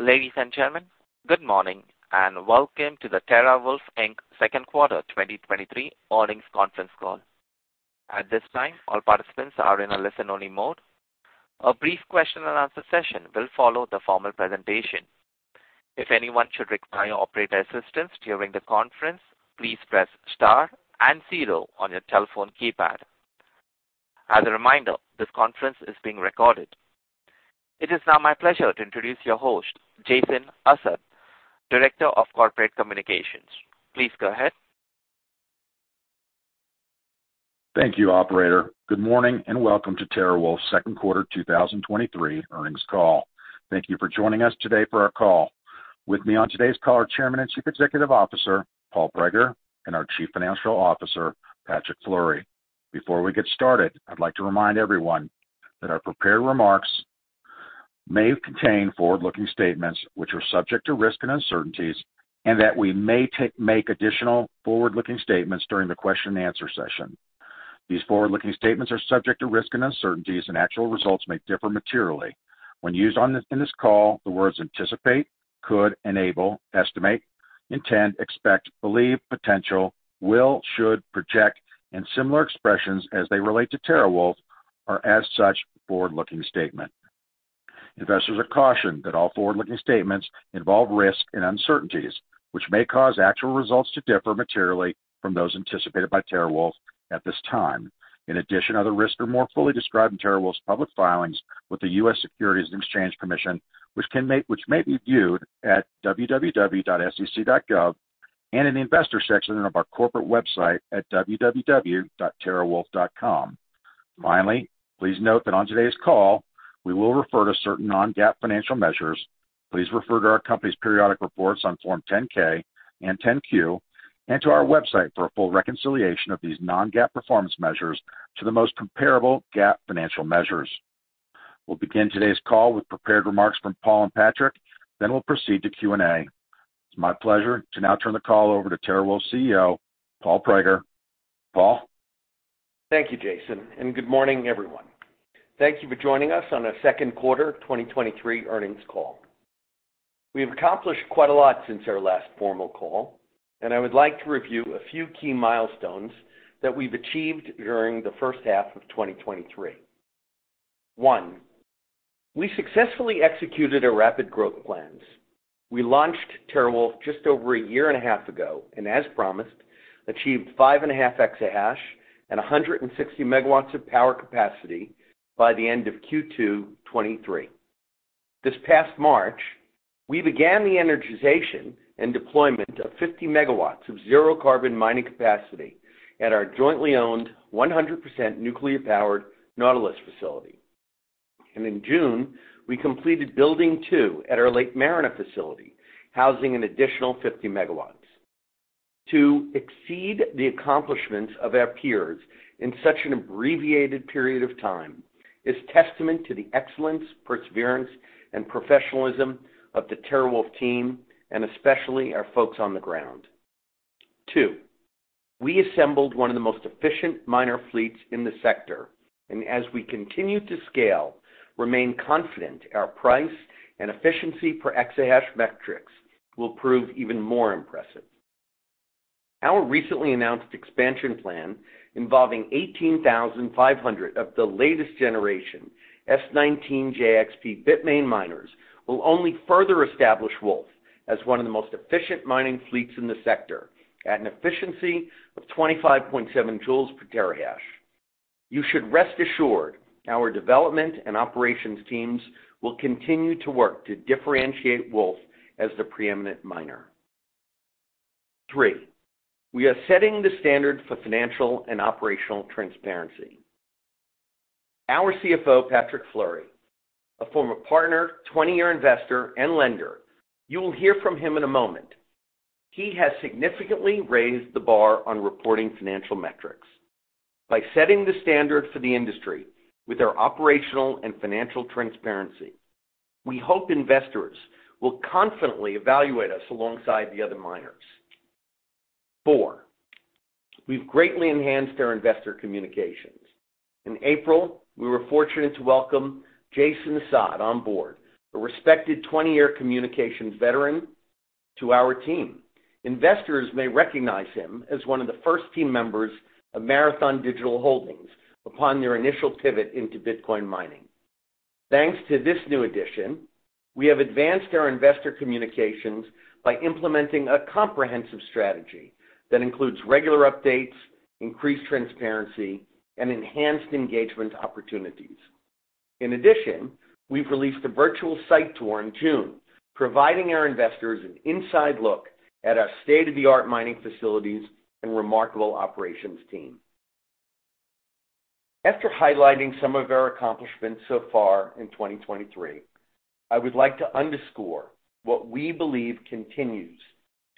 Ladies and gentlemen, good morning, and welcome to the TeraWulf Inc. Q2 2023 Earnings Conference Call. At this time, all participants are in a listen-only mode. A brief question-and-answer session will follow the formal presentation. If anyone should require operator assistance during the conference, please press star and zero on your telephone keypad. As a reminder, this conference is being recorded. It is now my pleasure to introduce your host, Jason Assad, Director of Corporate Communications. Please go ahead. Thank you, operator. Good morning, and welcome to TeraWulf's Q2 2023 Earnings Call. Thank you for joining us today for our call. With me on today's call, our Chairman and Chief Executive Officer, Paul Prager, and our Chief Financial Officer, Patrick Fleury. Before we get started, I'd like to remind everyone that our prepared remarks may contain forward-looking statements which are subject to risks and uncertainties, and that we may make additional forward-looking statements during the question and answer session. These forward-looking statements are subject to risks and uncertainties, and actual results may differ materially. When used on this, in this call, the words anticipate, could, enable, estimate, intend, expect, believe, potential, will, should, project, and similar expressions as they relate to TeraWulf are as such forward-looking statement. Investors are cautioned that all forward-looking statements involve risk and uncertainties, which may cause actual results to differ materially from those anticipated by TeraWulf at this time. In addition, other risks are more fully described in TeraWulf's public filings with the U.S. Securities and Exchange Commission, which may be viewed at www.sec.gov and in the investor section of our corporate website at www.terawulf.com. Finally, please note that on today's call, we will refer to certain non-GAAP financial measures. Please refer to our company's periodic reports on Form 10-K and 10-Q, and to our website for a full reconciliation of these non-GAAP performance measures to the most comparable GAAP financial measures. We'll begin today's call with prepared remarks from Paul and Patrick, then we'll proceed to Q&A. It's my pleasure to now turn the call over to TeraWulf's CEO, Paul Prager. Paul? Thank you, Jason. Good morning, everyone. Thank you for joining us on our Q2 2023 Earnings Call. We have accomplished quite a lot since our last formal call. I would like to review a few key milestones that we've achieved during the H1 of 2023. One, we successfully executed our rapid growth plans. We launched TeraWulf just over 1.5 years ago. As promised, achieved 5.5 EH/s and 160 MW of power capacity by the end of Q2 2023. This past March, we began the energization and deployment of 50 MW of zero-carbon mining capacity at our jointly owned, 100% nuclear-powered Nautilus facility. In June, we completed building two at our Lake Mariner facility, housing an additional 50 MW. To exceed the accomplishments of our peers in such an abbreviated period of time is testament to the excellence, perseverance, and professionalism of the TeraWulf team, especially our folks on the ground. Two, we assembled one of the most efficient miner fleets in the sector, as we continue to scale, remain confident our price and efficiency per exahash metrics will prove even more impressive. Our recently announced expansion plan, involving 18,500 of the latest generation S19j XP Bitmain miners, will only further establish Wulf as one of the most efficient mining fleets in the sector, at an efficiency of 25.7 J per terahash. You should rest assured our development and operations teams will continue to work to differentiate Wulf as the preeminent miner. Three, we are setting the standard for financial and operational transparency. Our CFO, Patrick Fleury, a former partner, 20-year investor, and lender, you will hear from him in a moment. He has significantly raised the bar on reporting financial metrics. By setting the standard for the industry with our operational and financial transparency, we hope investors will confidently evaluate us alongside the other miners. Four, we've greatly enhanced our investor communications. In April, we were fortunate to welcome Jason Assad on board, a respected 20-year communications veteran to our team. Investors may recognize him as one of the first team members of Marathon Digital Holdings upon their initial pivot into Bitcoin mining. Thanks to this new addition, we have advanced our investor communications by implementing a comprehensive strategy that includes regular updates, increased transparency, and enhanced engagement opportunities. We've released a virtual site tour in June, providing our investors an inside look at our state-of-the-art mining facilities and remarkable operations team. After highlighting some of our accomplishments so far in 2023, I would like to underscore what we believe continues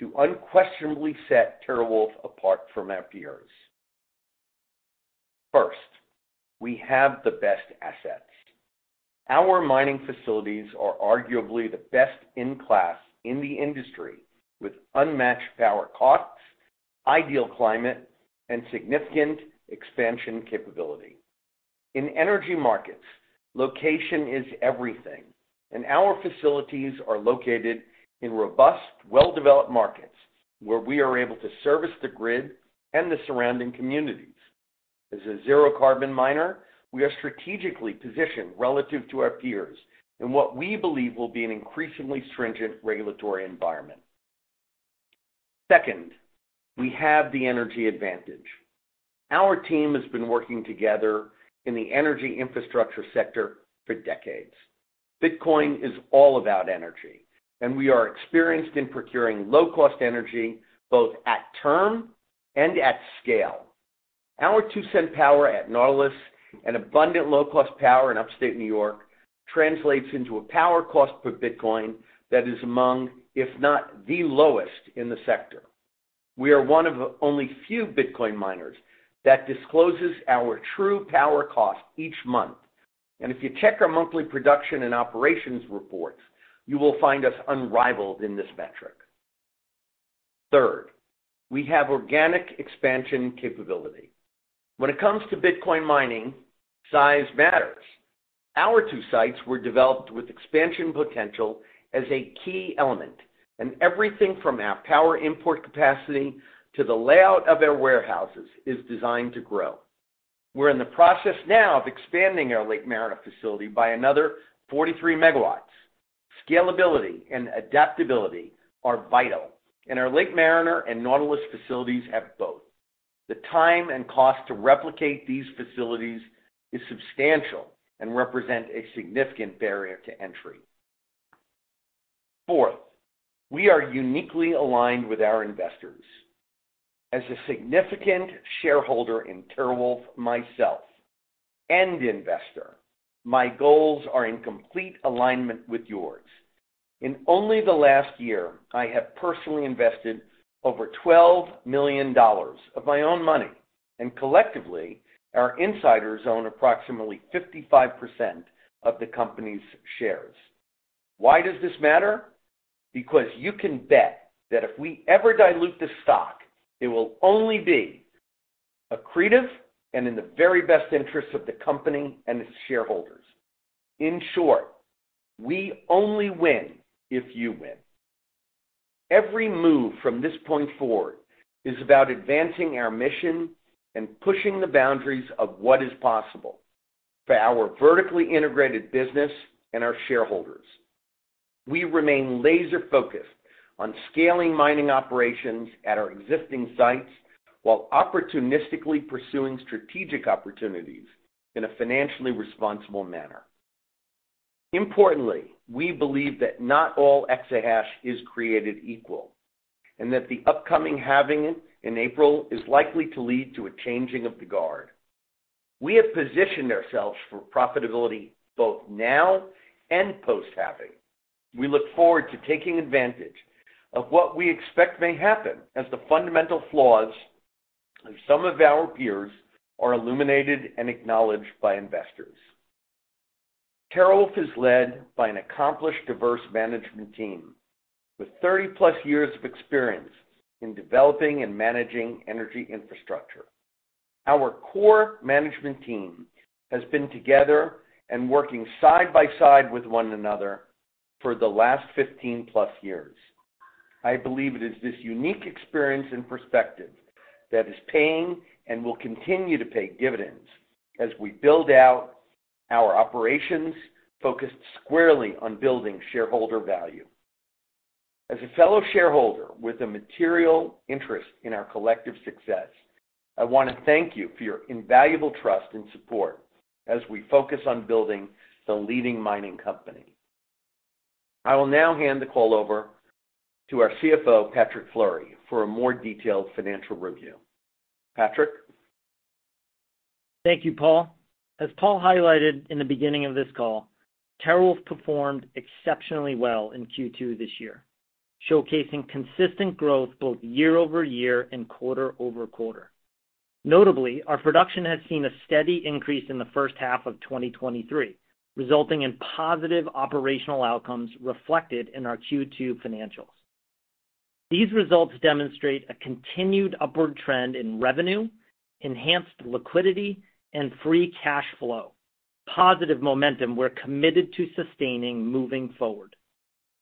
to unquestionably set TeraWulf apart from our peers. We have the best assets. Our mining facilities are arguably the best in class in the industry, with unmatched power costs. Ideal climate, and significant expansion capability. In energy markets, location is everything, and our facilities are located in robust, well-developed markets, where we are able to service the grid and the surrounding communities. As a zero-carbon miner, we are strategically positioned relative to our peers in what we believe will be an increasingly stringent regulatory environment. We have the energy advantage. Our team has been working together in the energy infrastructure sector for decades. Bitcoin is all about energy. We are experienced in procuring low-cost energy, both at term and at scale. Our 2-cent power at Nautilus and abundant low-cost power in Upstate New York translates into a power cost per Bitcoin that is among, if not the lowest in the sector. We are one of only few Bitcoin miners that discloses our true power cost each month. If you check our monthly production and operations reports, you will find us unrivaled in this metric. Third, we have organic expansion capability. When it comes to Bitcoin mining, size matters. Our two sites were developed with expansion potential as a key element, and everything from our power import capacity to the layout of our warehouses is designed to grow. We're in the process now of expanding our Lake Mariner facility by another 43 MW. Scalability and adaptability are vital, and our Lake Mariner and Nautilus facilities have both. The time and cost to replicate these facilities is substantial and represent a significant barrier to entry. Fourth, we are uniquely aligned with our investors. As a significant shareholder in TeraWulf, myself, and investor, my goals are in complete alignment with yours. In only the last year, I have personally invested over $12 million of my own money, and collectively, our insiders own approximately 55% of the company's shares. Why does this matter? You can bet that if we ever dilute the stock, it will only be accretive and in the very best interest of the company and its shareholders. In short, we only win if you win. Every move from this point forward is about advancing our mission and pushing the boundaries of what is possible for our vertically integrated business and our shareholders. We remain laser-focused on scaling mining operations at our existing sites, while opportunistically pursuing strategic opportunities in a financially responsible manner. Importantly, we believe that not all exahash is created equal, and that the upcoming halving in April is likely to lead to a changing of the guard. We have positioned ourselves for profitability both now and post-halving. We look forward to taking advantage of what we expect may happen as the fundamental flaws of some of our peers are illuminated and acknowledged by investors. TeraWulf is led by an accomplished, diverse management team with 30+ years of experience in developing and managing energy infrastructure. Our core management team has been together and working side by side with one another for the last 15+ years. I believe it is this unique experience and perspective that is paying and will continue to pay dividends as we build out our operations, focused squarely on building shareholder value. As a fellow shareholder with a material interest in our collective success, I want to thank you for your invaluable trust and support as we focus on building the leading mining company. I will now hand the call over to our CFO, Patrick Fleury, for a more detailed financial review. Patrick? Thank you, Paul. As Paul highlighted in the beginning of this call, TeraWulf performed exceptionally well in Q2 this year, showcasing consistent growth both year-over-year and quarter-over-quarter. Notably, our production has seen a steady increase in the H1 of 2023, resulting in positive operational outcomes reflected in our Q2 financials. These results demonstrate a continued upward trend in revenue, enhanced liquidity, and free cash flow, positive momentum we're committed to sustaining moving forward.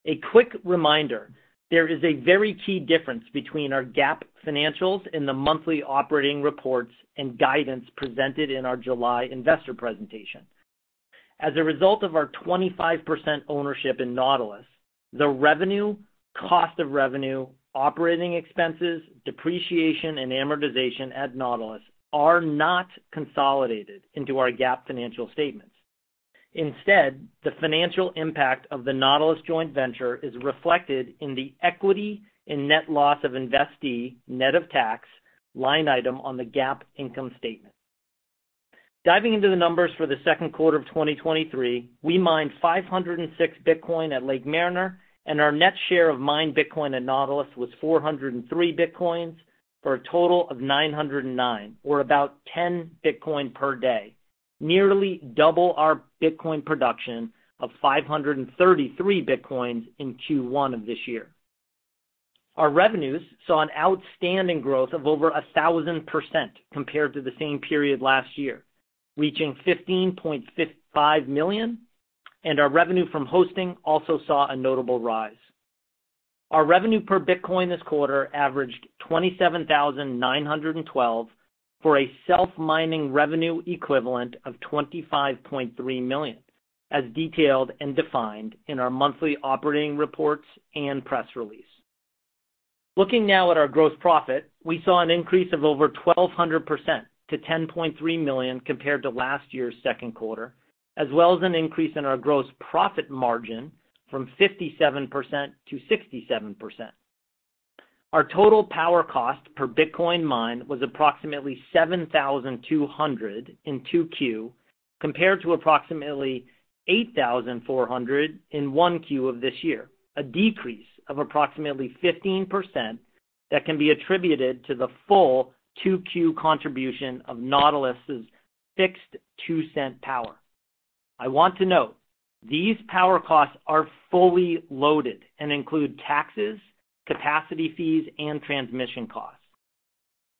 A quick reminder, there is a very key difference between our GAAP financials and the monthly operating reports and guidance presented in our July investor presentation. As a result of our 25% ownership in Nautilus, the revenue, cost of revenue, operating expenses, depreciation, and amortization at Nautilus are not consolidated into our GAAP financial statements. Instead, the financial impact of the Nautilus joint venture is reflected in the equity in net loss of investee, net of tax, line item on the GAAP income statement. Diving into the numbers for the Q2 of 2023, we mined 506 Bitcoin at Lake Mariner, and our net share of mined Bitcoin at Nautilus was 403 Bitcoin, for a total of 909, or about 10 Bitcoin per day. Nearly double our Bitcoin production of 533 Bitcoin in Q1 of this year. Our revenues saw an outstanding growth of over 1,000% compared to the same period last year, reaching $15.55 million, and our revenue from hosting also saw a notable rise. Our revenue per Bitcoin this quarter averaged $27,912, for a self-mining revenue equivalent of $25.3 million, as detailed and defined in our monthly operating reports and press release. Looking now at our gross profit, we saw an increase of over 1,200% to $10.3 million compared to last year's Q2, as well as an increase in our gross profit margin from 57% to 67%. Our total power cost per Bitcoin mined was approximately $7,200 in 2Q, compared to approximately $8,400 in 1Q of this year, a decrease of approximately 15% that can be attributed to the full 2Q contribution of Nautilus' fixed 2-cent power. I want to note, these power costs are fully loaded and include taxes, capacity fees, and transmission costs.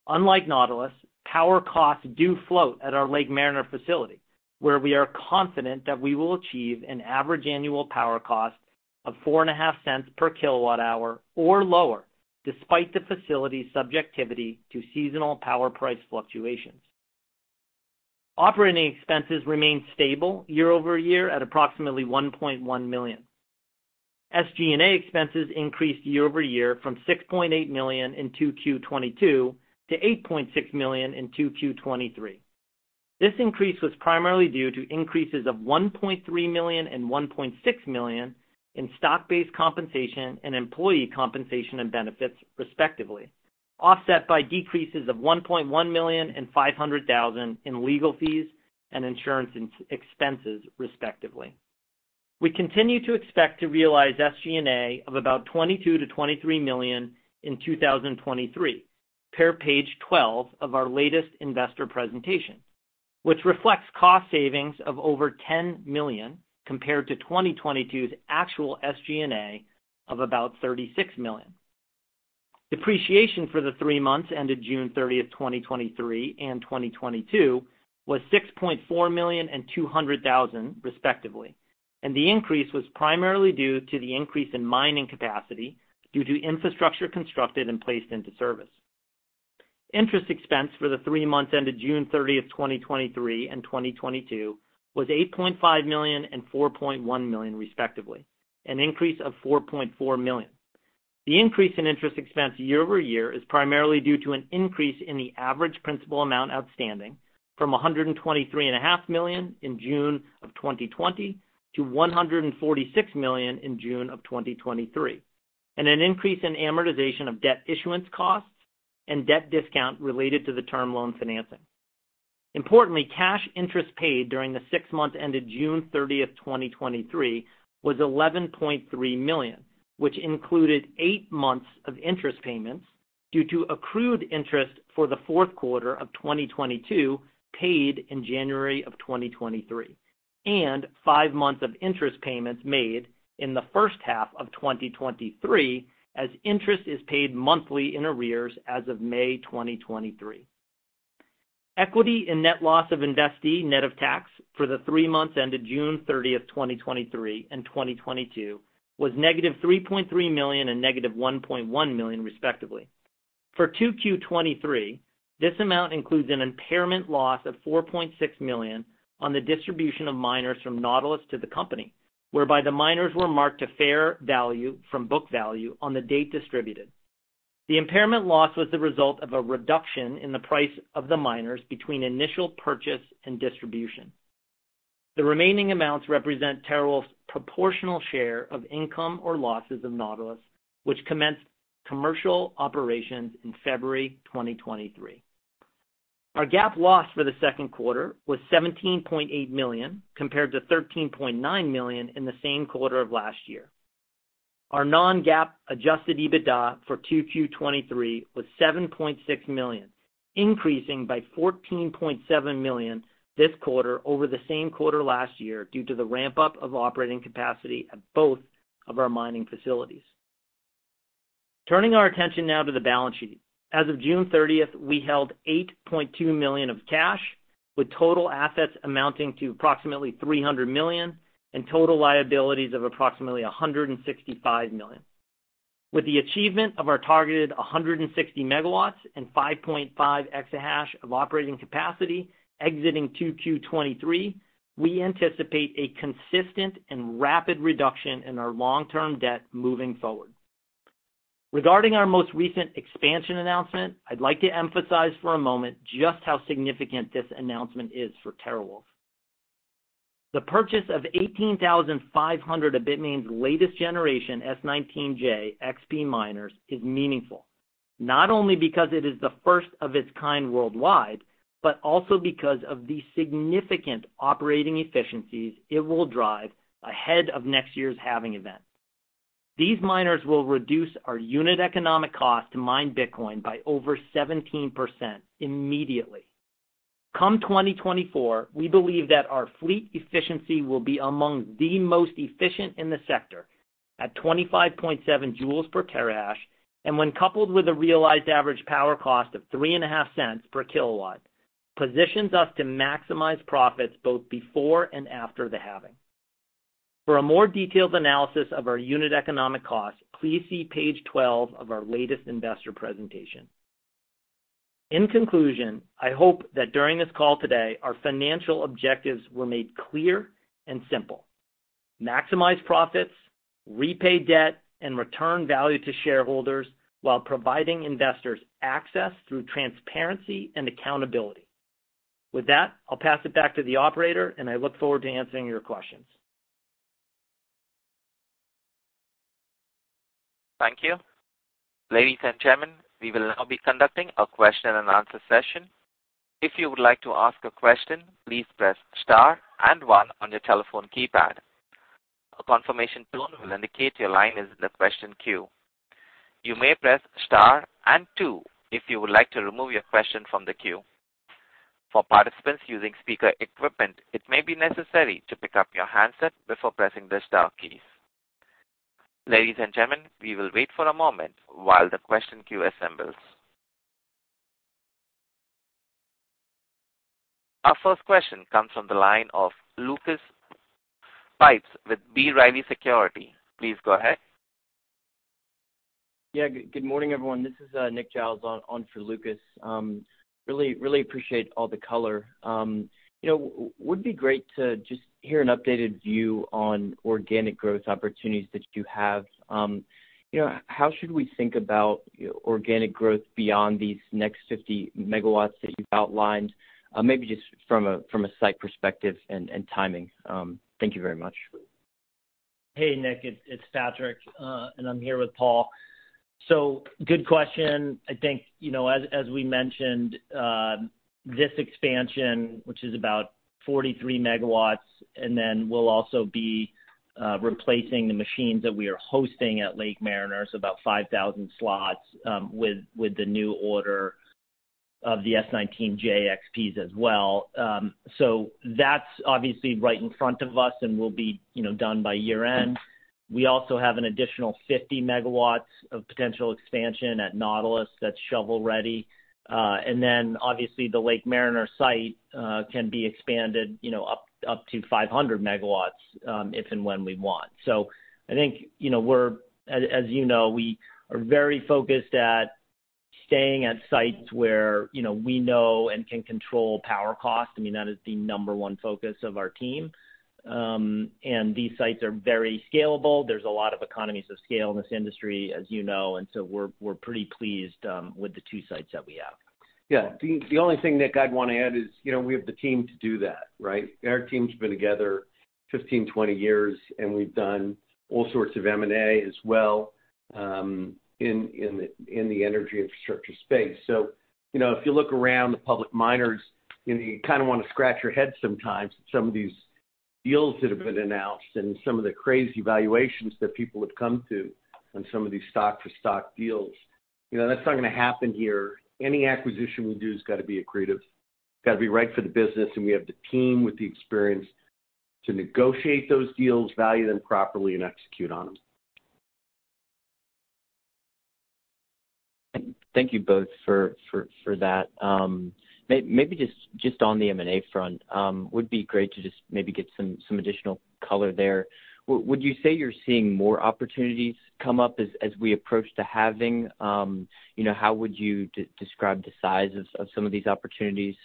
Unlike Nautilus, power costs do float at our Lake Mariner facility, where we are confident that we will achieve an average annual power cost of $0.045 per kilowatt-hour or lower, despite the facility's subjectivity to seasonal power price fluctuations. Operating expenses remained stable year-over-year at approximately $1.1 million. SG&A expenses increased year-over-year from $6.8 million in 2Q 2022 to $8.6 million in 2Q 2023. This increase was primarily due to increases of $1.3 million and $1.6 million in stock-based compensation and employee compensation and benefits, respectively, offset by decreases of $1.1 million and $500,000 in legal fees and insurance expenses, respectively. We continue to expect to realize SG&A of about $22 million to $23 million in 2023, per page 12 of our latest investor presentation, which reflects cost savings of over $10 million compared to 2022's actual SG&A of about $36 million. Depreciation for the three months ended June 30th, 2023 and 2022 was $6.4 million and $200,000, respectively, and the increase was primarily due to the increase in mining capacity due to infrastructure constructed and placed into service. Interest expense for the three months ended June 30th, 2023 and 2022 was $8.5 million and $4.1 million, respectively, an increase of $4.4 million. The increase in interest expense year-over-year is primarily due to an increase in the average principal amount outstanding from $123.5 million in June 2020 to $146 million in June 2023, and an increase in amortization of debt issuance costs and debt discount related to the term loan financing. Importantly, cash interest paid during the six months ended June 30, 2023, was $11.3 million, which included eight months of interest payments due to accrued interest for the Q4 of 2022, paid in January 2023, and five months of interest payments made in the H1 of 2023, as interest is paid monthly in arrears as of May 2023. Equity in net loss of investee, net of tax, for the 3 months ended June 30th, 2023 and 2022, was -$3.3 million and -$1.1 million, respectively. For 2Q 2023, this amount includes an impairment loss of $4.6 million on the distribution of miners from Nautilus to the company, whereby the miners were marked to fair value from book value on the date distributed. The impairment loss was the result of a reduction in the price of the miners between initial purchase and distribution. The remaining amounts represent TeraWulf's proportional share of income or losses of Nautilus, which commenced commercial operations in February 2023. Our GAAP loss for the Q2 was $17.8 million, compared to $13.9 million in the same quarter of last year. Our non-GAAP adjusted EBITDA for 2Q 2023 was $7.6 million, increasing by $14.7 million this quarter over the same quarter last year due to the ramp-up of operating capacity at both of our mining facilities. Turning our attention now to the balance sheet. As of June 30th, we held $8.2 million of cash, with total assets amounting to approximately $300 million and total liabilities of approximately $165 million. With the achievement of our targeted 160 MW and 5.5 EH/s of operating capacity exiting 2Q 2023, we anticipate a consistent and rapid reduction in our long-term debt moving forward. Regarding our most recent expansion announcement, I'd like to emphasize for a moment just how significant this announcement is for TeraWulf. The purchase of 18,500 of Bitmain's latest generation S19j XP miners is meaningful, not only because it is the first of its kind worldwide, but also because of the significant operating efficiencies it will drive ahead of next year's halving event. These miners will reduce our unit economic cost to mine Bitcoin by over 17% immediately. Come 2024, we believe that our fleet efficiency will be among the most efficient in the sector at 25.7 J per terahash, and when coupled with a realized average power cost of $0.035 per kilowatt, positions us to maximize profits both before and after the halving. For a more detailed analysis of our unit economic costs, please see page 12 of our latest investor presentation. In conclusion, I hope that during this call today, our financial objectives were made clear and simple: maximize profits, repay debt, and return value to shareholders while providing investors access through transparency and accountability. With that, I'll pass it back to the operator, and I look forward to answering your questions. Thank you. Ladies and gentlemen, we will now be conducting a question-and-answer session. If you would like to ask a question, please press star and one on your telephone keypad. A confirmation tone will indicate your line is in the question queue. You may press star and two if you would like to remove your question from the queue. For participants using speaker equipment, it may be necessary to pick up your handset before pressing the star keys. Ladies and gentlemen, we will wait for a moment while the question queue assembles. Our first question comes from the line of Lucas Pipes with B. Riley Securities. Please go ahead. Yeah, good morning, everyone. This is Nick Giles on, on for Lucas. Really, really appreciate all the color. You know, would be great to just hear an updated view on organic growth opportunities that you have. You know, how should we think about, organic growth beyond these next 50 MW that you've outlined? Maybe just from a, from a site perspective and, and timing. Thank you very much. Hey, Nick. It, it's Patrick, and I'm here with Paul. Good question. I think, you know, as, as we mentioned, this expansion, which is about 43 MW, and then we'll also be replacing the machines that we are hosting at Lake Mariner, so about 5,000 slots, with the new order of the S19j XP as well. That's obviously right in front of us and will be, you know, done by year-end. We also have an additional 50 MW of potential expansion at Nautilus that's shovel-ready. Then, obviously, the Lake Mariner site can be expanded, you know, up, up to 500 MW, if and when we want. I think, you know, as, as you know, we are very focused at staying at sites where, you know, we know and can control power costs. I mean, that is the number one focus of our team. These sites are very scalable. There's a lot of economies of scale in this industry, as you know, so we're pretty pleased with the two sites that we have. Yeah. The only thing, Nick, I'd want to add is, you know, we have the team to do that, right? Our team's been together 15, 20 years, and we've done all sorts of M&A as well, in, in the, in the energy infrastructure space. You know, if you look around the public miners, you know, you kind of want to scratch your head sometimes at some of these deals that have been announced and some of the crazy valuations that people have come to on some of these stock-for-stock deals. You know, that's not going to happen here. Any acquisition we do has got to be accretive, got to be right for the business, and we have the team with the experience to negotiate those deals, value them properly, and execute on them. Thank you both for that. Maybe just on the M&A front, would be great to just maybe get some, some additional color there. Would you say you're seeing more opportunities come up as we approach the halving? How would you describe the size of some of these opportunities?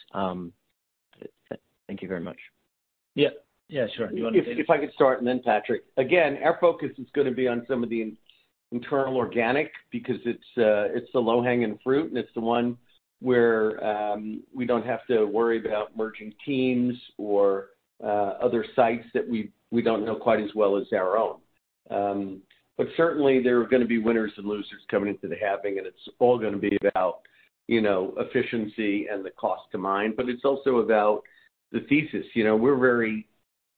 Thank you very much. Yeah, sure. You want to? If, if I could start, and then Patrick. Again, our focus is going to be on some of the internal organic because it's it's the low-hanging fruit, and it's the one where we don't have to worry about merging teams or other sites that we don't know quite as well as our own. Certainly, there are going to be winners and losers coming into the halving, and it's all going to be about, you know, efficiency and the cost to mine, but it's also about the thesis. You know, we're very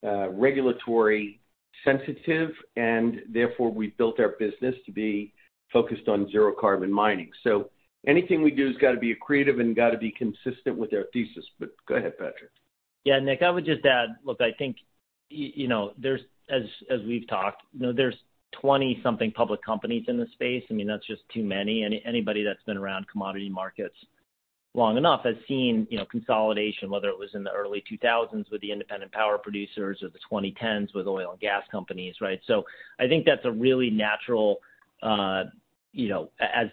regulatory sensitive, and therefore, we've built our business to be focused on zero-carbon mining. Anything we do has got to be accretive and got to be consistent with our thesis. Go ahead, Patrick. Yeah, Nick, I would just add. Look, I think, you know, there's, as we've talked, you know, there's 20 something public companies in this space. I mean, that's just too many. Anybody that's been around commodity markets long enough has seen, you know, consolidation, whether it was in the early 2000s with the independent power producers or the 2010s with oil and gas companies, right? I think that's a really natural, you know, as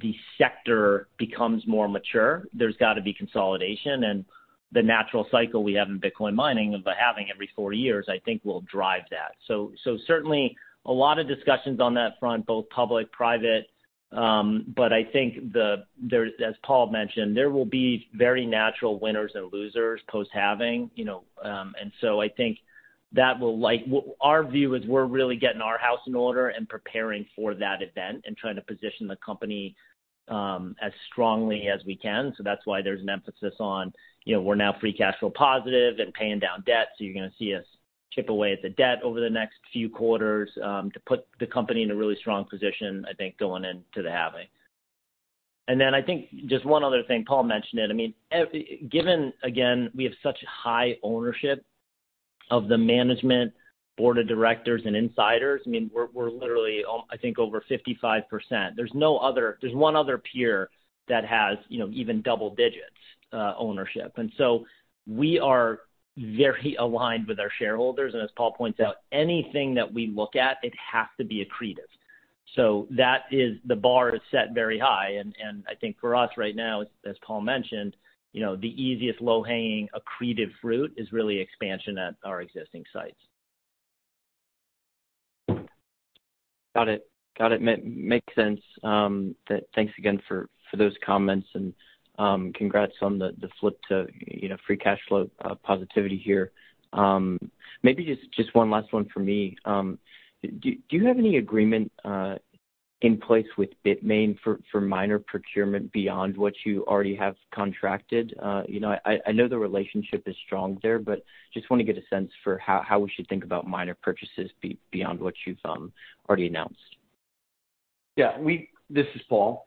the sector becomes more mature, there's got to be consolidation. The natural cycle we have in Bitcoin mining, of the halving every four years, I think will drive that. Certainly a lot of discussions on that front, both public, private. I think there's, as Paul mentioned, there will be very natural winners and losers post-halving, you know. Our view is we're really getting our house in order and preparing for that event and trying to position the company as strongly as we can. That's why there's an emphasis on, you know, we're now free cash flow positive and paying down debt, so you're gonna see us chip away at the debt over the next few quarters to put the company in a really strong position, I think, going into the halving. Then I think just one other thing, Paul mentioned it. I mean, we have such high ownership of the management board of directors and insiders, I mean, we're, we're literally, I think, over 55%. There's one other peer that has, you know, even double digits ownership. We are very aligned with our shareholders. As Paul points out, anything that we look at, it has to be accretive. That is, the bar is set very high. I think for us right now, as Paul mentioned, you know, the easiest low-hanging accretive fruit is really expansion at our existing sites. Got it. Makes sense. Thanks again for, for those comments, and congrats on the, the flip to, you know, free cash flow positivity here. Maybe just one last one for me. Do, do you have any agreement in place with Bitmain for minor procurement beyond what you already have contracted? You know, I, I know the relationship is strong there, but just want to get a sense for how, how we should think about minor purchases beyond what you've already announced. This is Paul.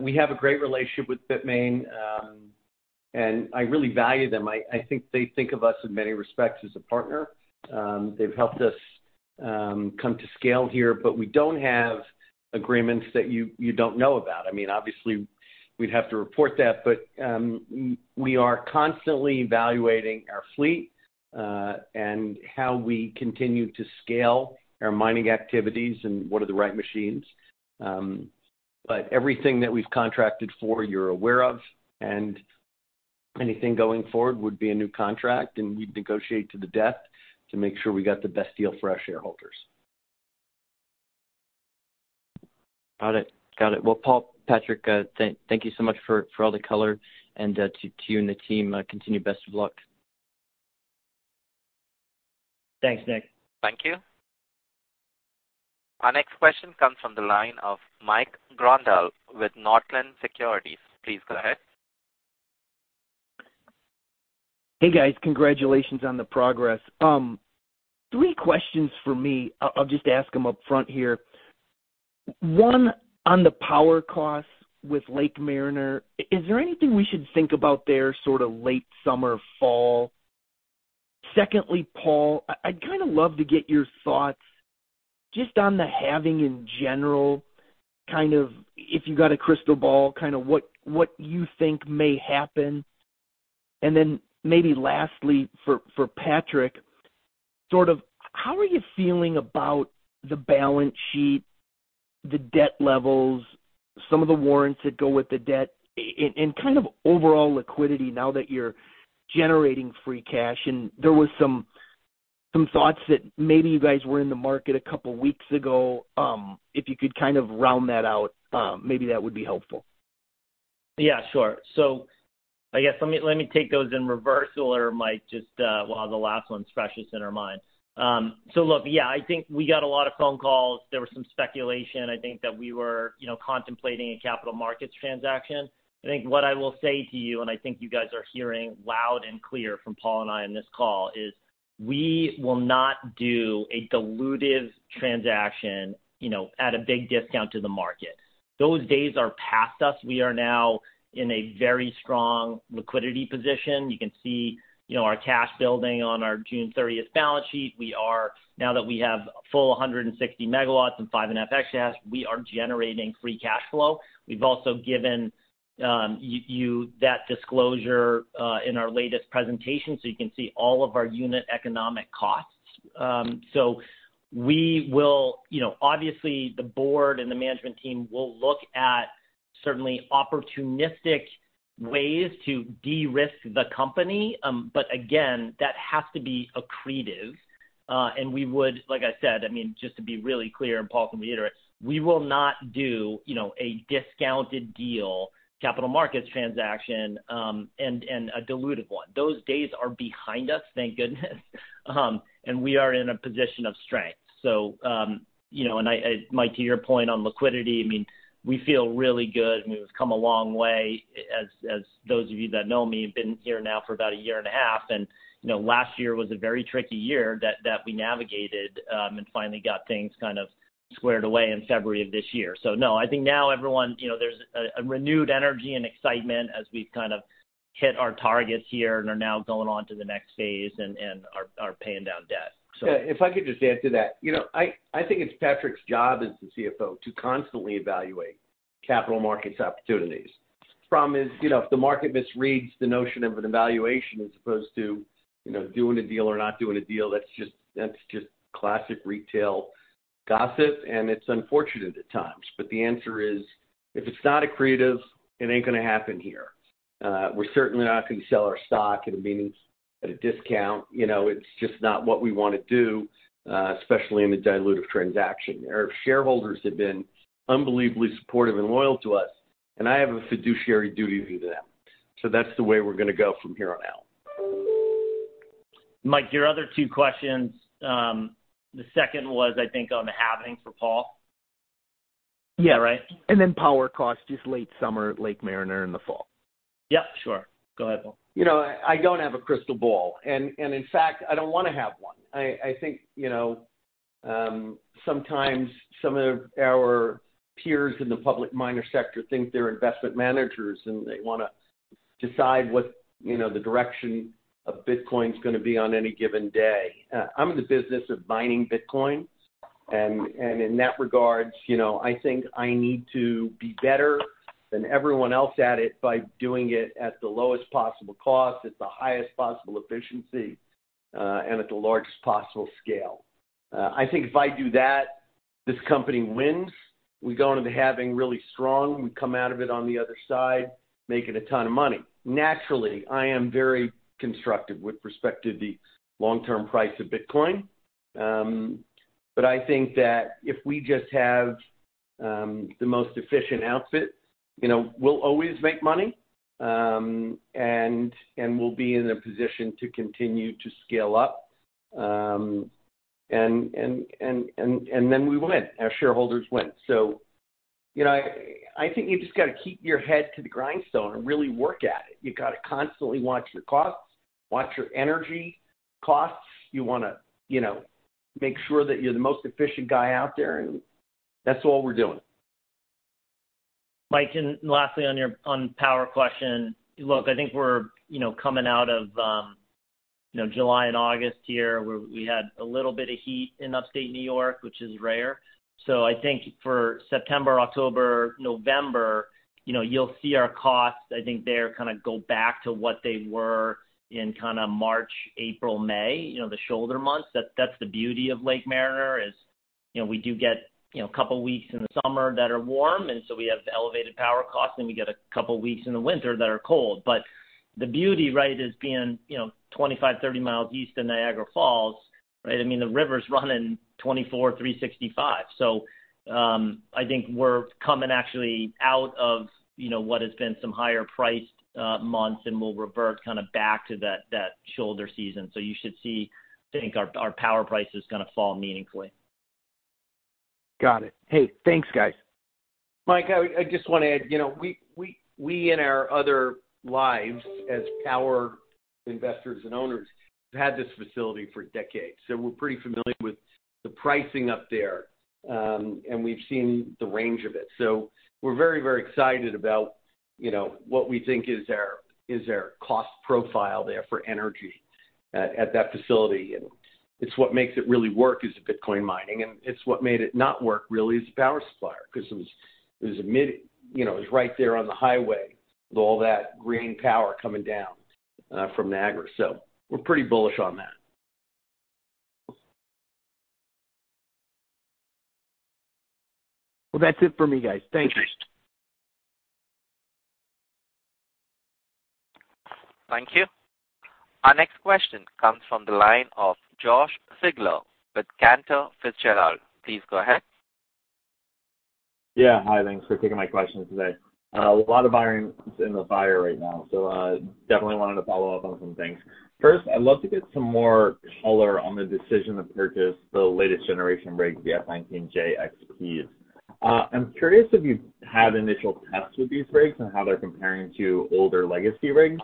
We have a great relationship with Bitmain, and I really value them. I, I think they think of us in many respects as a partner. They've helped us come to scale here, but we don't have agreements that you don't know about. I mean, obviously, we'd have to report that, but we are constantly evaluating our fleet and how we continue to scale our mining activities and what are the right machines. Everything that we've contracted for, you're aware of, and anything going forward would be a new contract, and we'd negotiate to the death to make sure we got the best deal for our shareholders. Got it. Well, Paul, Patrick, thank you so much for all the color and to you and the team, continue best of luck. Thanks, Nick. Thank you. Our next question comes from the line of Mike Grondahl with Northland Securities. Please go ahead. Hey, guys. Congratulations on the progress. Three questions for me. I'll just ask them upfront here. One, on the power costs with Lake Mariner, is there anything we should think about there, sort of late summer, fall? Secondly, Paul, I'd love to get your thoughts just on the halving in general, kind of if you got a crystal ball, kind of what, what you think may happen. Then maybe lastly, for Patrick, how are you feeling about the balance sheet, the debt levels, some of the warrants that go with the debt, and kind of overall liquidity now that you're generating free cash? There was some, some thoughts that maybe you guys were in the market two weeks ago. If you could kind of round that out, maybe that would be helpful. Yeah, sure. Let me take those in reverse order, Mike, just, while the last one's freshest in our minds. Look, yeah, I think we got a lot of phone calls. There was some speculation, I think, that we were, you know, contemplating a capital markets transaction. I think what I will say to you, and I think you guys are hearing loud and clear from Paul and I on this call, is we will not do a dilutive transaction, you know, at a big discount to the market. Those days are past us. We are now in a very strong liquidity position. You can see, you know, our cash building on our June 30th balance sheet. We are, now that we have a full 160 MW and 5.5 EH/s, we are generating free cash flow. We've also given you that disclosure in our latest presentation, so you can see all of our unit economic costs. We will. You know, obviously, the board and the management team will look at certainly opportunistic ways to de-risk the company. Again, that has to be accretive. We would, like I said, I mean, just to be really clear, and Paul can reiterate, we will not do, you know, a discounted deal, capital markets transaction, and a dilutive one. Those days are behind us, thank goodness. We are in a position of strength. You know, and I Mike, to your point on liquidity, I mean, we feel really good, and we've come a long way. As, as those of you that know me, I've been here now for about a year and a half, and, you know, last year was a very tricky year that, that we navigated, and finally got things kind of squared away in February of this year. No, I think now everyone, you know, there's a renewed energy and excitement as we've kind of hit our targets here and are now going on to the next phase and are paying down debt. Yeah, if I could just add to that. You know, I, I think it's Patrick's job as the CFO to constantly evaluate capital markets opportunities. Problem is, you know, if the market misreads the notion of an evaluation as opposed to, you know, doing a deal or not doing a deal, that's just, that's just classic retail gossip, and it's unfortunate at times. The answer is, if it's not accretive, it ain't gonna happen here. We're certainly not going to sell our stock at a meaning, at a discount. You know, it's just not what we want to do, especially in a dilutive transaction. Our shareholders have been unbelievably supportive and loyal to us, and I have a fiduciary duty to them. That's the way we're gonna go from here on out. Mike, your other 2 questions, the second was, I think, on the halving for Paul. Yeah, right. Then power cost, just late summer, Lake Mariner in the fall. Yep, sure. Go ahead, Paul. You know, I don't have a crystal ball, and in fact, I don't want to have one. I, I think, you know, sometimes some of our peers in the public miner sector think they're investment managers, and they want to decide what, you know, the direction of Bitcoin is going to be on any given day. I'm in the business of mining Bitcoin, and in that regards, you know, I think I need to be better than everyone else at it by doing it at the lowest possible cost, at the highest possible efficiency, and at the largest possible scale. I think if I do that, this company wins. We go into the halving really strong. We come out of it on the other side, making a ton of money. Naturally, I am very constructive with respect to the long-term price of Bitcoin, but I think that if we just have the most efficient outfit, you know, we'll always make money, and we'll be in a position to continue to scale up. Then we win, our shareholders win. You know, I think you just got to keep your head to the grindstone and really work at it. You got to constantly watch your costs, watch your energy costs. You want to, you know, make sure that you're the most efficient guy out there, and that's what we're doing. Mike, lastly, on your on power question. Look, I think we're, you know, coming out of, you know, July and August here, where we had a little bit of heat in Upstate New York, which is rare. I think for September, October, November, you know, you'll see our costs, I think, there kind of go back to what they were in kind of March, April, May, you know, the shoulder months. That's the beauty of Lake Mariner is, you know, we do get, you know, a couple of weeks in the summer that are warm, and so we have elevated power costs, and we get a couple of weeks in the winter that are cold. The beauty, right, is being, you know, 25, 30 miles east of Niagara Falls, right? I mean, the river's running 24, 365. I think we're coming actually out of, you know, what has been some higher priced months, and we'll revert kind of back to that, that shoulder season. You should see, I think, our, our power prices going to fall meaningfully. Got it. Hey, thanks, guys. Mike, I, I just want to add, you know, we, we, we in our other lives as power investors and owners, have had this facility for decades, so we're pretty familiar with the pricing up there. We've seen the range of it. We're very, very excited about, you know, what we think is our, is our cost profile there for energy at that facility. It's what makes it really work is the Bitcoin mining, and it's what made it not work really, is the power supplier, because it was, it was, you know, it was right there on the highway with all that green power coming down from Niagara. We're pretty bullish on that. Well, that's it for me, guys. Thank you. Thank you. Our next question comes from the line of Josh Siegler with Cantor Fitzgerald. Please go ahead. Yeah. Hi, thanks for taking my question today. A lot of iron is in the fire right now, so definitely wanted to follow up on some things. First, I'd love to get some more color on the decision to purchase the latest generation rig, the S19j XP. I'm curious if you've had initial tests with these rigs and how they're comparing to older legacy rigs.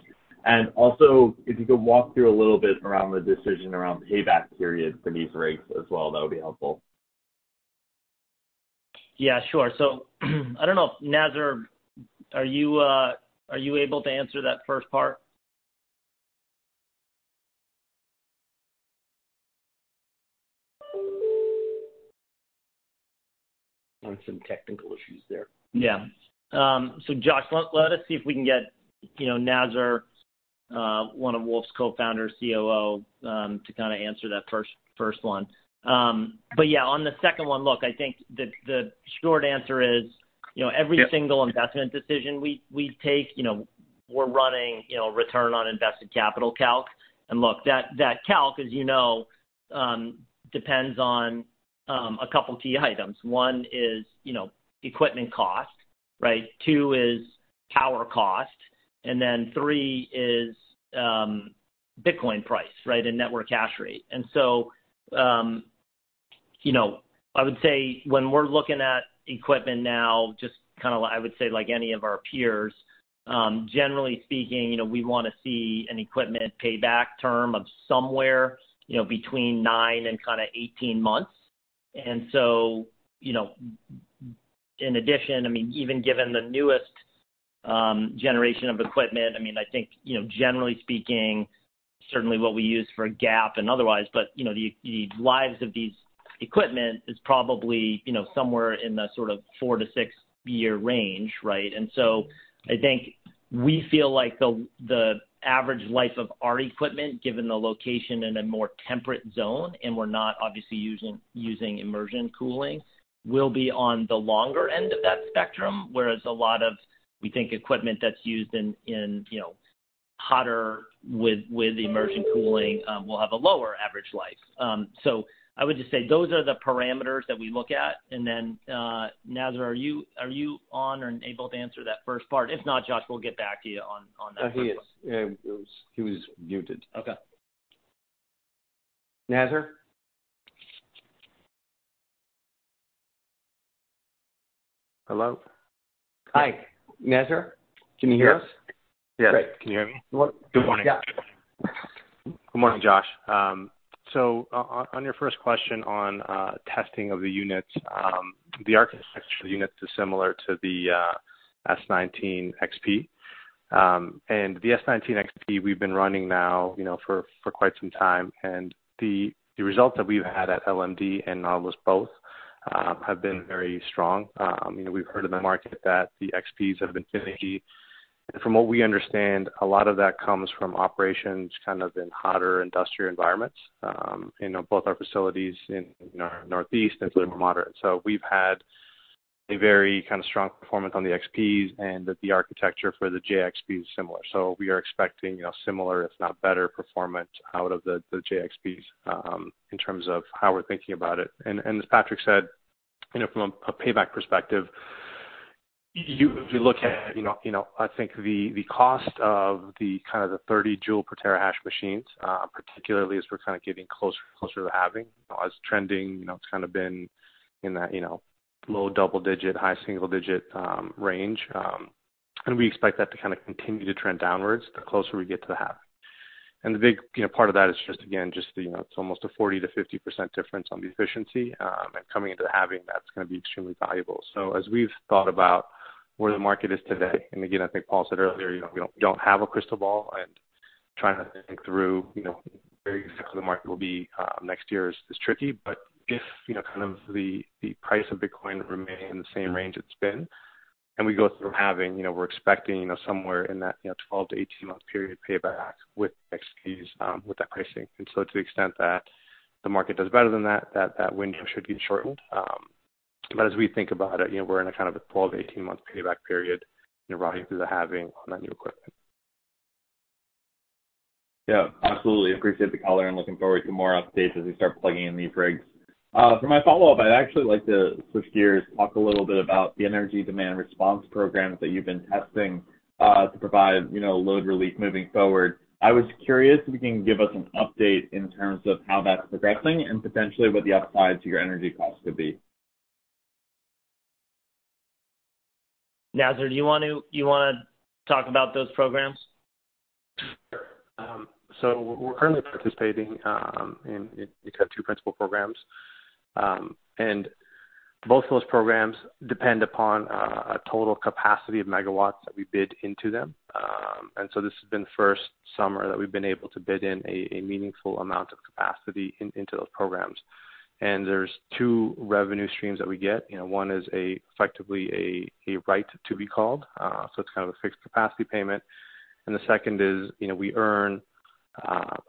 Also, if you could walk through a little bit around the decision around the payback period for these rigs as well, that would be helpful. Yeah, sure. I don't know if Nazar, are you able to answer that first part? On some technical issues there. Yeah. Josh, let us see if we can get, you know, Nazar, one of Wulf's co-founders, COO, to kind of answer that first one. Yeah, on the second one, look, I think the short answer is, you know, every single-... investment decision we, we take, you know, we're running, you know, return on invested capital calc. Look, that calc, as you know, depends on a couple key items. One is, you know, equipment cost, right? Two is power cost, three is Bitcoin price, right? Network hash rate. You know, I would say when we're looking at equipment now, just kind of, I would say, like any of our peers, generally speaking, you know, we want to see an equipment payback term of somewhere, you know, between nine and kind of 18 months. So, you know, in addition, I mean, even given the newest, generation of equipment, I mean, I think, you know, generally speaking, certainly what we use for a GAAP and otherwise, but, you know, the, the lives of these equipment is probably, you know, somewhere in the sort of four to six year range, right? So I think we feel like the, the average life of our equipment, given the location in a more temperate zone, and we're not obviously using, using immersion cooling, will be on the longer end of that spectrum, whereas a lot of, we think, equipment that's used in, in, you know, hotter with, with immersion cooling, will have a lower average life. So I would just say those are the parameters that we look at. Then, Nazar, are you, are you on and able to answer that first part? If not, Josh, we'll get back to you on, on that. He is. He was muted. Okay. Nazar? Hello? Hi, Nazar. Can you hear us? Yes. Can you hear me? Good. Good morning. Yeah. Good morning, Josh. On your first question on testing of the units, the architecture of the units is similar to the S19j XP. And the S19j XP, we've been running now, you know, for, for quite some time, and the results that we've had at LMD and Nautilus both have been very strong. You know, we've heard in the market that the XPs have been finicky, and from what we understand, a lot of that comes from operations kind of in hotter industrial environments. You know, both our facilities in, in our northeast, it's a little more moderate. We've had a very kind of strong performance on the XPs, and the architecture for the S19j XP is similar. We are expecting, you know, similar, if not better, performance out of the S19j XP, in terms of how we're thinking about it. As Patrick said, you know, from a, a payback perspective, if you look at, you know, you know, I think the, the cost of the kind of the 30 J per terahash machines, particularly as we're kind of getting closer and closer to halving, as trending, you know, it's kind of been in that, you know, low double-digit, high single-digit range. We expect that to kind of continue to trend downwards the closer we get to the half. The big, you know, part of that is just, again, just, you know, it's almost a 40% to 50% difference on the efficiency, and coming into the halving, that's going to be extremely valuable. As we've thought about where the market is today, and again, I think Paul said earlier, you know, we don't, we don't have a crystal ball, and trying to think through, you know, where you think the market will be next year is tricky. If the price of Bitcoin remain in the same range it's been, and we go through halving, you know, we're expecting, you know, somewhere in that, you know, 12 to 18 month period payback with XPs with that pricing. To the extent that the market does better than that, that, that window should get shortened. As we think about it, you know, we're in a kind of a 12 to 18 month payback period, you know, rocking through the halving on that new equipment. Yeah, absolutely. Appreciate the color and looking forward to more updates as we start plugging in these rigs. For my follow-up, I'd actually like to switch gears, talk a little bit about the energy demand response programs that you've been testing, to provide, you know, load relief moving forward. I was curious if you can give us an update in terms of how that's progressing and potentially what the upside to your energy costs could be. Nazar, do you want to talk about those programs? Sure. So we're currently participating, it's kind of two principal programs. Both of those programs depend upon a total capacity of megawatts that we bid into them. So this has been the first summer that we've been able to bid in a meaningful amount of capacity into those programs. There's two revenue streams that we get. You know, one is effectively a right to be called, so it's kind of a fixed capacity payment. The second is, you know, we earn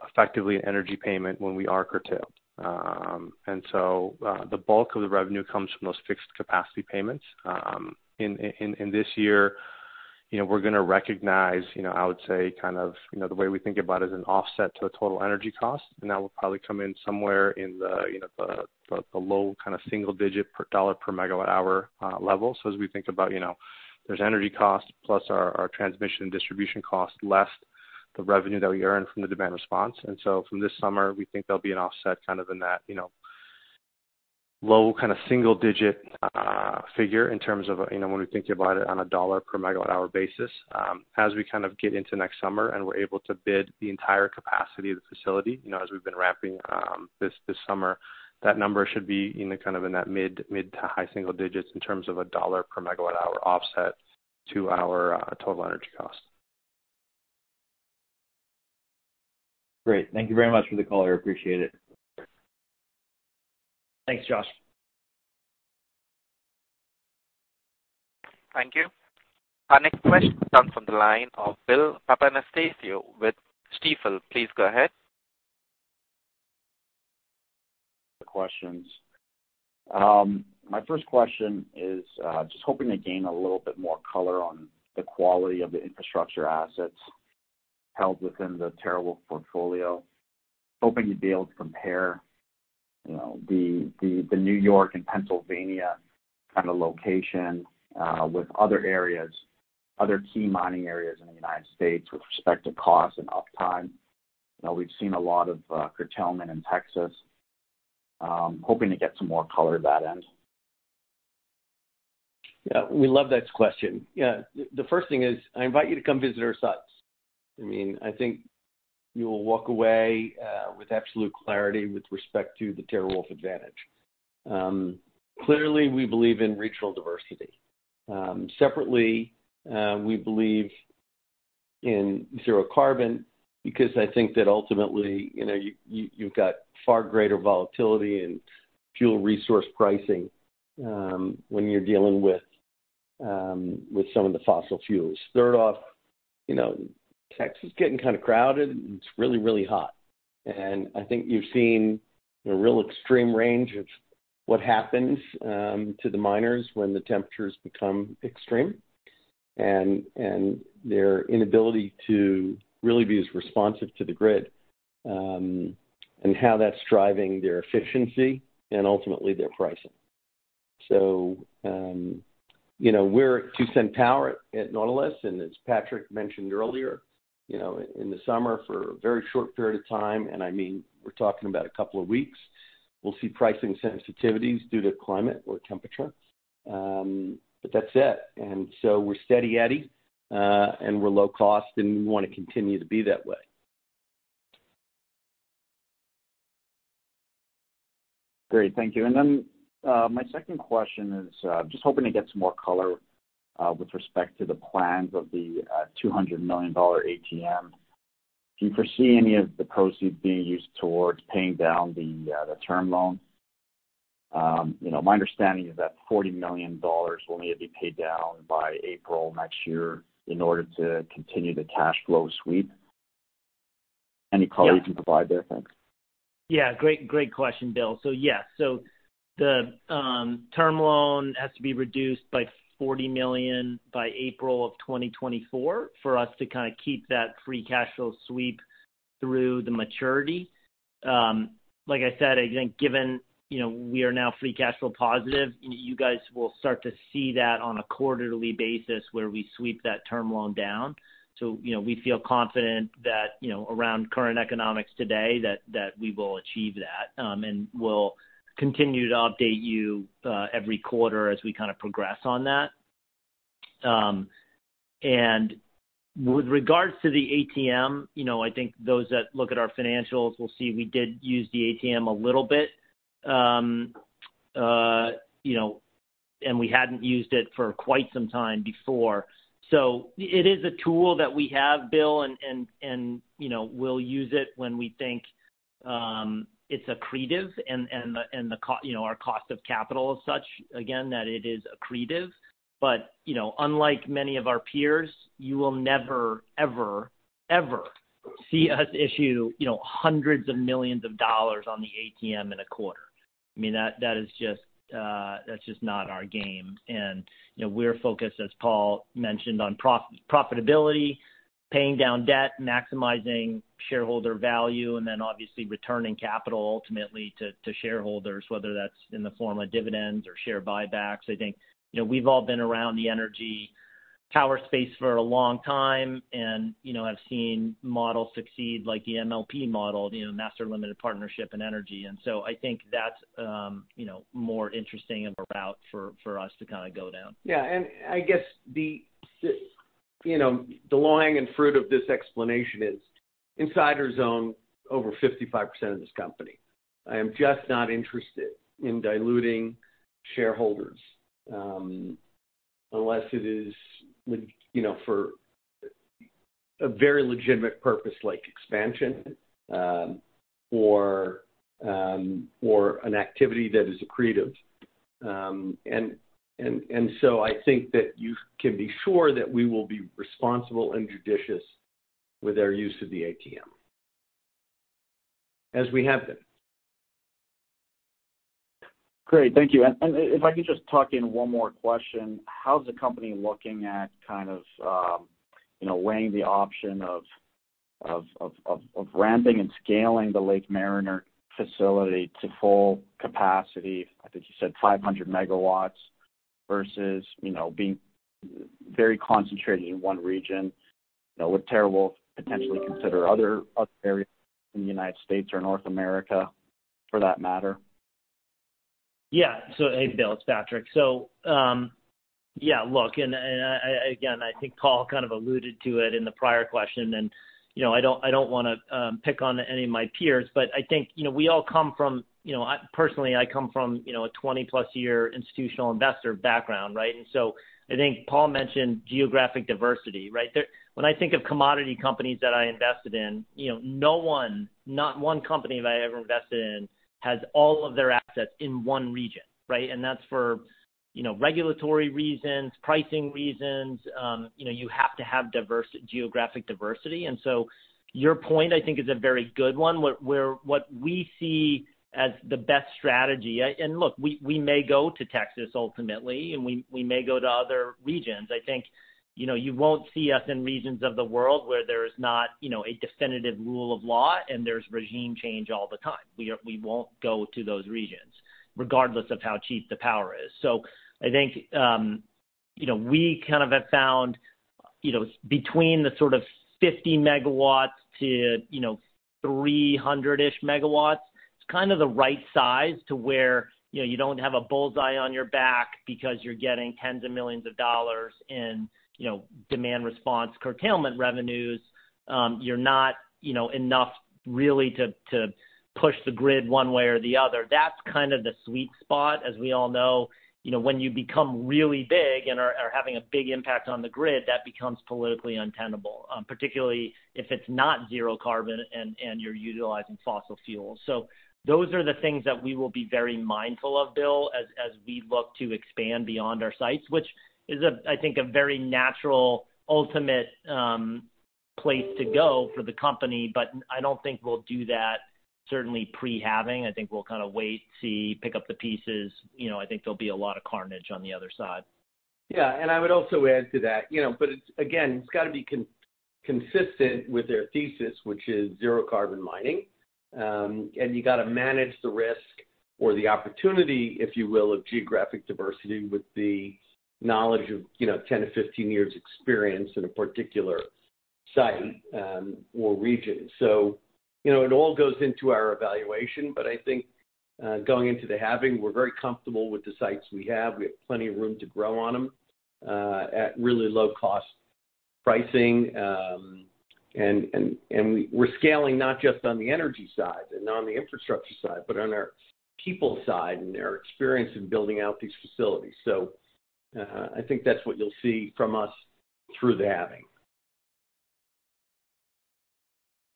effectively an energy payment when we are curtailed. So the bulk of the revenue comes from those fixed capacity payments. In this year, you know, we're going to recognize, you know, I would say kind of, you know, the way we think about it is an offset to the total energy cost, and that will probably come in somewhere in the, you know, the, the, the low kind of single digit per dollar per megawatt-hour level. As we think about, you know, there's energy costs, plus our transmission and distribution costs, less the revenue that we earn from the demand response. From this summer, we think there'll be an offset kind of in that, you know, low kind of single digit figure in terms of, you know, when we think about it on a dollar per megawatt-hour basis. As we kind of get into next summer and we're able to bid the entire capacity of the facility, you know, as we've been ramping, this summer, that number should be in the kind of in that mid-to-high single digits in terms of a dollar per megawatt-hour offset to our total energy cost. Great. Thank you very much for the call. I appreciate it. Thanks, Josh. Thank you. Our next question comes from the line of Bill Papanastasiou with Stifel. Please go ahead. Questions. My first question is, just hoping to gain a little bit more color on the quality of the infrastructure assets held within the TeraWulf portfolio. Hoping to be able to compare, you know, the, the, the New York and Pennsylvania kind of location, with other areas, other key mining areas in the United States with respect to cost and uptime. You know, we've seen a lot of curtailment in Texas. Hoping to get some more color at that end. Yeah, we love that question. Yeah. The first thing is, I invite you to come visit our sites. I mean, I think you'll walk away with absolute clarity with respect to the TeraWulf advantage. Clearly, we believe in regional diversity. Separately, we believe in zero-carbon because I think that ultimately, you know, you, you, you've got far greater volatility in fuel resource pricing when you're dealing with some of the fossil fuels. Third off, you know, Texas is getting kind of crowded, and it's really, really hot, and I think you've seen a real extreme range of what happens to the miners when the temperatures become extreme, and, and their inability to really be as responsive to the grid, and how that's driving their efficiency and ultimately their pricing. You know, we're a two-cent power at Nautilus, as Patrick mentioned earlier, you know, in the summer for a very short period of time, and I mean, we're talking about a couple of weeks, we'll see pricing sensitivities due to climate or temperature. That's it. So we're steady eddy, and we're low cost, and we want to continue to be that way. Great. Thank you. My second question is, just hoping to get some more color with respect to the plans of the $200 million ATM. Do you foresee any of the proceeds being used towards paying down the term loan? You know, my understanding is that $40 million will need to be paid down by April next year in order to continue the cash flow sweep. Any color? you can provide there? Thanks. Yeah, great, great question, Bill. Yes. The term loan has to be reduced by $40 million by April of 2024 for us to kind of keep that free cash flow sweep through the maturity. Like I said, I think given, you know, we are now free cash flow positive, you guys will start to see that on a quarterly basis where we sweep that term loan down. You know, we feel confident that, you know, around current economics today, that we will achieve that. We'll continue to update you every quarter as we kind of progress on that. With regards to the ATM, you know, I think those that look at our financials will see we did use the ATM a little bit. You know, we hadn't used it for quite some time before. It is a tool that we have, Bill, and, you know, we'll use it when we think it's accretive and the, you know, our cost of capital is such again that it is accretive. You know, unlike many of our peers, you will never, ever, ever see us issue, you know, hundreds of millions of dollars on the ATM in a quarter. I mean, that, that is just, that's just not our game. You know, we're focused, as Paul mentioned, on profitability, paying down debt, maximizing shareholder value, and then obviously returning capital ultimately to shareholders, whether that's in the form of dividends or share buybacks. I think, you know, we've all been around the energy power space for a long time and, you know, have seen models succeed, like the MLP model, you know, Master Limited Partnership and energy. I think that's, you know, more interesting of a route for, for us to kind of go down. Yeah, and I guess the, you know, the long and fruit of this explanation is insiders own over 55% of this company. I am just not interested in diluting shareholders, unless it is with, you know, for a very legitimate purpose, like expansion, or an activity that is accretive. I think that you can be sure that we will be responsible and judicious with our use of the ATM, as we have been. Great. Thank you. If I could just tuck in one more question: How's the company looking at kind of, you know, weighing the option of ramping and scaling the Lake Mariner facility to full capacity? I think you said 500 megawatts versus, you know, being very concentrated in one region. You know, would TeraWulf potentially consider other, other areas in the United States or North America for that matter? Yeah. Hey, Bill, it's Patrick. Yeah, look, again, I think Paul kind of alluded to it in the prior question, and, you know, I don't, I don't want to pick on any of my peers, but I think, you know, we all come from... You know, personally, I come from, you know, a 20+ year institutional investor background, right? I think Paul mentioned geographic diversity, right? When I think of commodity companies that I invested in, you know, no one, not one company that I ever invested in, has all of their assets in one region, right? That's for, you know, regulatory reasons, pricing reasons. You know, you have to have geographic diversity. Your point, I think, is a very good one, where what we see as the best strategy... Look, we, we may go to Texas ultimately, and we, we may go to other regions. I think, you know, you won't see us in regions of the world where there is not, you know, a definitive rule of law and there's regime change all the time. We won't go to those regions, regardless of how cheap the power is. I think, you know, we kind of have found, you know, between the sort of 50 MW to 300 MW, it's kind of the right size to where, you know, you don't have a bullseye on your back because you're getting tens of millions of dollars in, you know, demand response curtailment revenues. You're not, you know, enough really to, to push the grid one way or the other. That's kind of the sweet spot. As we all know, you know, when you become really big and are, are having a big impact on the grid, that becomes politically untenable, particularly if it's not zero-carbon and, and you're utilizing fossil fuels. Those are the things that we will be very mindful of, Bill, as, as we look to expand beyond our sites, which is a, I think, a very natural, ultimate, place to go for the company. I don't think we'll do that certainly pre-halving. I think we'll kind of wait, see, pick up the pieces. I think there'll be a lot of carnage on the other side. I would also add to that, you know, but it's again, it's got to be consistent with their thesis, which is zero-carbon mining. You got to manage the risk or the opportunity, if you will, of geographic diversity with the knowledge of, you know, 10 to 15 years experience in a particular site or region. You know, it all goes into our evaluation, but I think going into the halving, we're very comfortable with the sites we have. We have plenty of room to grow on them at really low-cost pricing. We're scaling not just on the energy side and on the infrastructure side, but on our people side and their experience in building out these facilities. I think that's what you'll see from us through the halving.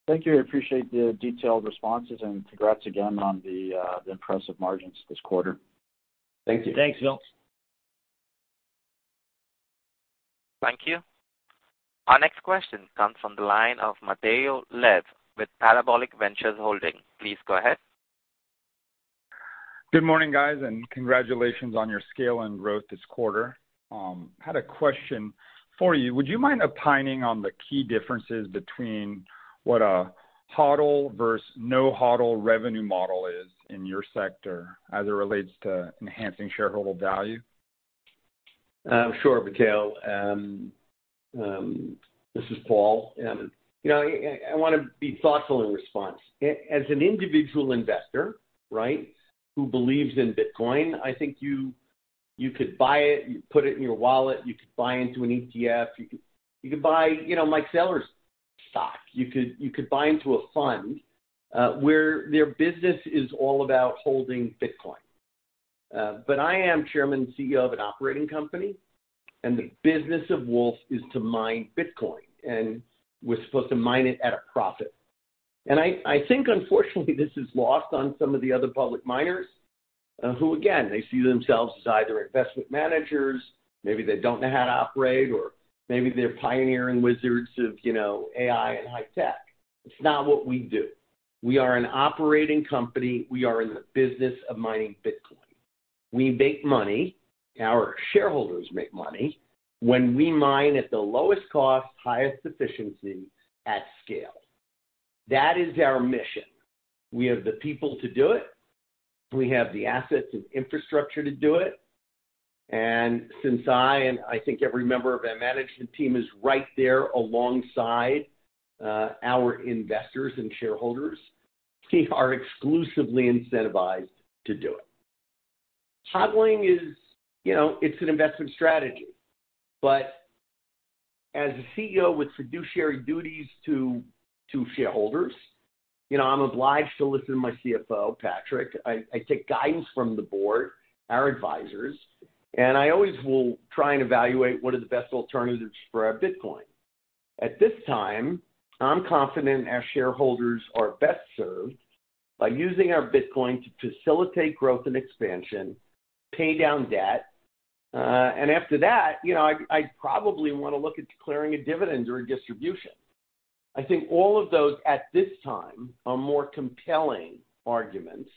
Thank you. I appreciate the detailed responses, and congrats again on the, the impressive margins this quarter. Thank you. Thanks, Bill. Thank you. Our next question comes from the line of Matthew Lev with Parabolic Ventures Holding. Please go ahead. Good morning, guys, and congratulations on your scale and growth this quarter. Had a question for you. Would you mind opining on the key differences between what a HODL versus no HODL revenue model is in your sector as it relates to enhancing shareholder value? Sure, Matthew. This is Paul, and, you know, I want to be thoughtful in response. As an individual investor, right, who believes in Bitcoin, I think you could buy it, you put it in your wallet, you could buy into an ETF, you could, you could buy, you know, Michael Saylor's stock. You could, you could buy into a fund, where their business is all about holding Bitcoin. I am chairman and CEO of an operating company, and the business of Wulf is to mine Bitcoin, and we're supposed to mine it at a profit. I, I think, unfortunately, this is lost on some of the other public miners, who, again, they see themselves as either investment managers, maybe they don't know how to operate, or maybe they're pioneering wizards of, you know, AI and high tech. It's not what we do. We are an operating company. We are in the business of mining Bitcoin. We make money, our shareholders make money when we mine at the lowest cost, highest efficiency at scale. That is our mission. Since I, and I think every member of our management team, is right there alongside our investors and shareholders, we are exclusively incentivized to do it. HODLing is, you know, it's an investment strategy, but as a CEO with fiduciary duties to shareholders, you know, I'm obliged to listen to my CFO, Patrick. I take guidance from the board, our advisors, and I always will try and evaluate what are the best alternatives for our Bitcoin. At this time, I'm confident our shareholders are best served by using our Bitcoin to facilitate growth and expansion, pay down debt. After that, you know, I'd probably want to look at declaring a dividend or a distribution. I think all of those, at this time, are more compelling arguments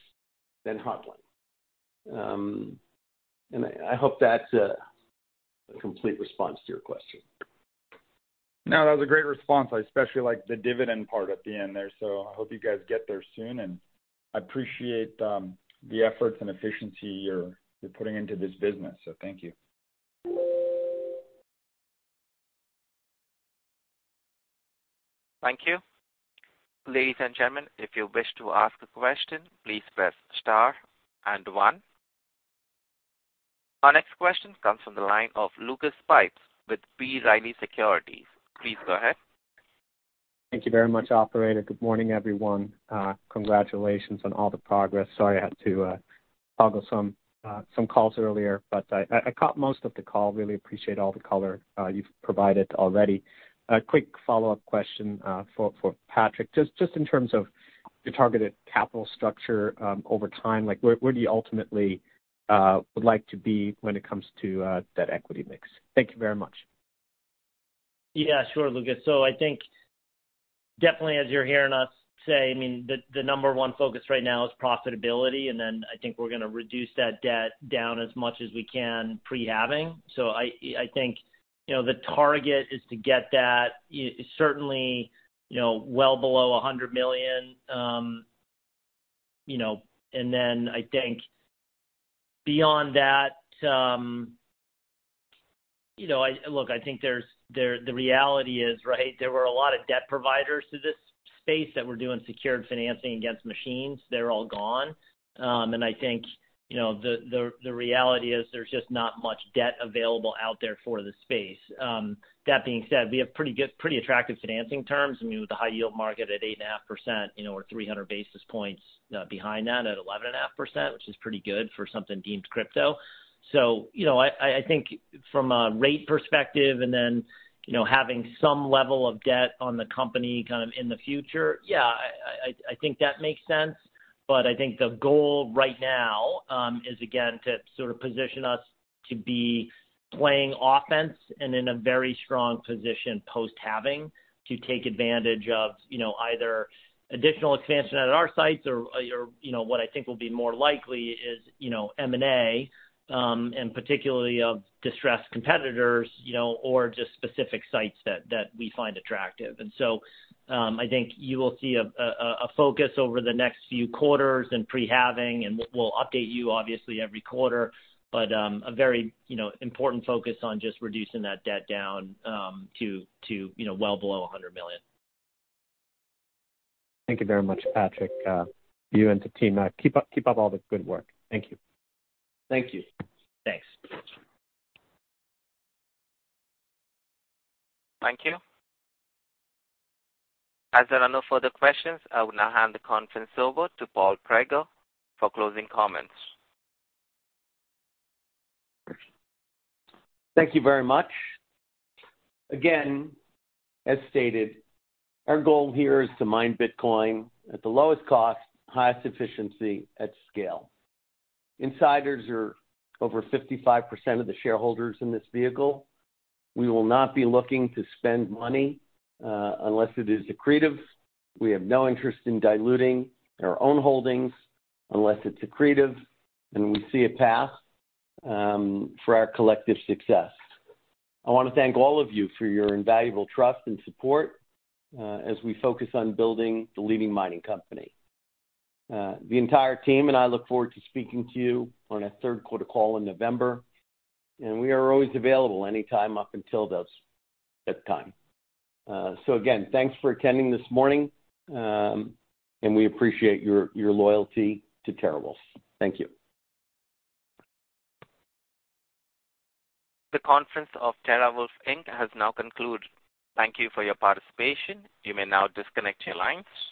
than HODLing. I, I hope that's a complete response to your question. No, that was a great response. I especially like the dividend part at the end there, so I hope you guys get there soon, and I appreciate the efforts and efficiency you're putting into this business. Thank you. Thank you. Ladies and gentlemen, if you wish to ask a question, please press star and 1. Our next question comes from the line of Lucas Pipes with B. Riley Securities. Please go ahead. Thank you very much, operator. Good morning, everyone. Congratulations on all the progress. Sorry, I had to toggle some calls earlier, but I caught most of the call. Really appreciate all the color you've provided already. A quick follow-up question for, for Patrick. Just, just in terms of your targeted capital structure, over time, like, where, where do you ultimately would like to be when it comes to that equity mix? Thank you very much. Yeah, sure, Lucas. I think definitely as you're hearing us say, I mean, the, the number one focus right now is profitability, and then I think we're going to reduce that debt down as much as we can pre-halving. I think, you know, the target is to get that certainly, you know, well below $100 million. You know, I think beyond that, you know, look, I think there's, there, the reality is, right, there were a lot of debt providers to this space that were doing secured financing against machines. They're all gone. I think, you know, the, the, the reality is there's just not much debt available out there for the space. That being said, we have pretty good, pretty attractive financing terms. I mean, with the high yield market at 8.5%, you know, we're 300 basis points behind that at 11.5%, which is pretty good for something deemed crypto. You know, I think from a rate perspective, and then, you know, having some level of debt on the company kind of in the future, yeah, I, I, I think that makes sense. I think the goal right now is again, to sort of position us to be playing offense and in a very strong position post-halving, to take advantage of, you know, either additional expansion at our sites or you know, what I think will be more likely is, you know, M&A, and particularly of distressed competitors, you know, or just specific sites that, that we find attractive. I think you will see a focus over the next few quarters and pre-halving, and we'll update you obviously every quarter. A very, you know, important focus on just reducing that debt down to, you know, well below $100 million. Thank you very much, Patrick. You and the team, keep up all the good work. Thank you. Thank you. Thanks. Thank you. As there are no further questions, I will now hand the conference over to Paul Prager for closing comments. Thank you very much. As stated, our goal here is to mine Bitcoin at the lowest cost, highest efficiency at scale. Insiders are over 55% of the shareholders in this vehicle. We will not be looking to spend money unless it is accretive. We have no interest in diluting our own holdings unless it's accretive, and we see a path for our collective success. I want to thank all of you for your invaluable trust and support as we focus on building the leading mining company. The entire team and I look forward to speaking to you on our third quarter call in November, and we are always available anytime up until this, that time. Again, thanks for attending this morning, and we appreciate your, your loyalty to TeraWulf. Thank you. The conference of TeraWulf Inc. has now concluded. Thank you for your participation. You may now disconnect your lines.